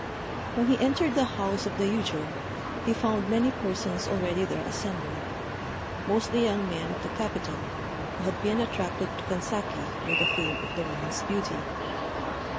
When he entered the house of the yujô, he found many persons already there assembled mostly young men of the capital, who had been attracted to Kanzaki by the fame of the woman's beauty.